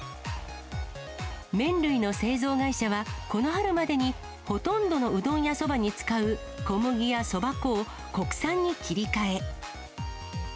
麺類の製造会社は、この春までにほとんどのうどんやそばに使う小麦やそば粉を国産に切り替え。